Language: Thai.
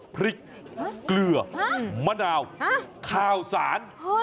พริกเกลือมะนาวข้าวสาร